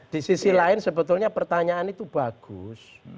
di sisi lain sebetulnya pertanyaan itu bagus